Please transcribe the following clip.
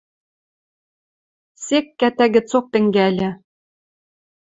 Сек кӓтӓ гӹцок тӹнгӓльӹ.